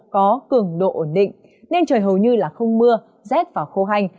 có cường độ ổn định nên trời hầu như là không mưa rét và khô hành